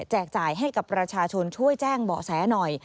จ่ายให้กับประชาชนช่วยแจ้งเบาะแสหน่อย